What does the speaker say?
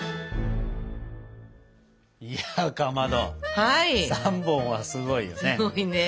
いやかまど３本はすごいよね。